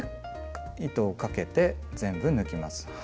糸をかけて全部抜きます。